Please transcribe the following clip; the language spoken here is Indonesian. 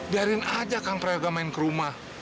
biarin aja kan prayoga main ke rumah